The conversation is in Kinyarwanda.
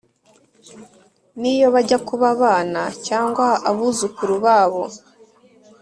n' iyo bajya kuba abana cyangwa abuzukuru babo,